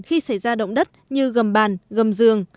khi xảy ra động đất như gầm bàn gầm giường